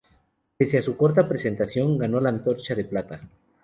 Pese a su corta presentación, ganó la Antorcha de plata.